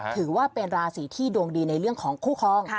ถือว่าเป็นราศีที่ดวงดีในเรื่องของคู่คลอง